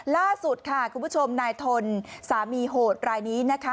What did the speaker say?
ล่าสุดค่ะคุณผู้ชมนายทนสามีโหดรายนี้นะคะ